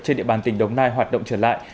trên địa bàn tỉnh đồng nai hoạt động trở lại